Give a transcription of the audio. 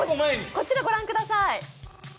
こちらをご覧ください。